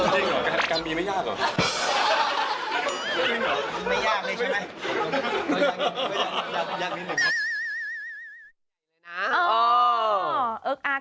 จริงเหรอกรรมมีไม่ยากเหรอ